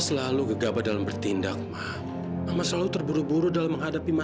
selamat sore salim